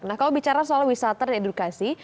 nah kalau bicara soal wisata dan edukasi